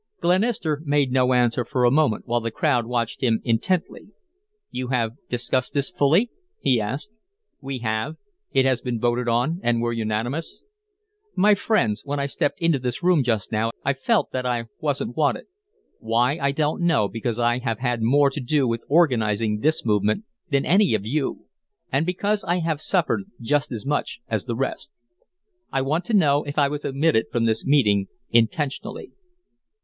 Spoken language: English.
Glenister made no answer for a moment, while the crowd watched him intently. "You have discussed this fully?" he asked. "We have. It has been voted on, and we're unanimous." "My friends, when I stepped into this room just now I felt that I wasn't wanted. Why, I don't know, because I have had more to do with organizing this movement than any of you, and because I have suffered just as much as the rest. I want to know if I was omitted from this meeting intentionally."